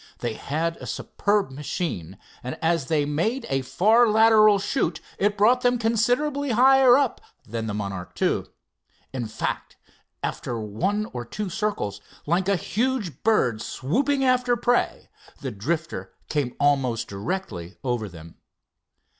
They had a superb machine, and as they made a far lateral shoot it brought them considerably higher up than the Monarch II. In fact, after one or two circles, like a huge bird swooping after prey, the Drifter came almost directly over them.